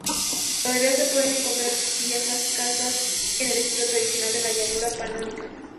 Todavía se pueden encontrar viejas casas en el estilo tradicional de la llanura panónica.